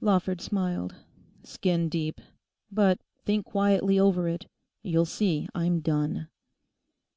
Lawford smiled. 'Skin deep. But think quietly over it; you'll see I'm done.